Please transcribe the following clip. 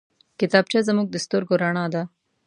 کتابچه زموږ د سترګو رڼا ده